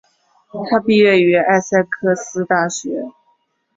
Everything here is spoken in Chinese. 他毕业于艾塞克斯大学。